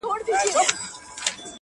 که زما منۍ د دې لولۍ په مینه زړه مه تړی-